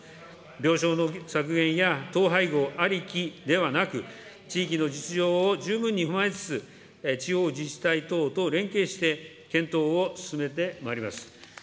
病床の削減や統廃合ありきではなく、地域の実情を十分に踏まえつつ、地方自治体等と連携して、検討を進めてまいります。